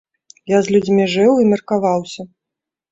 Я з людзьмі жыў і меркаваўся.